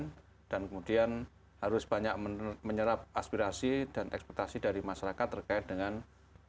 terutama kebijakan kebijakan yang diperlindungi oleh konsumen dan kemudian harus banyak menyerap aspirasi dan ekspektasi dari masyarakat terkait dengan terutama kebijakan kebijakan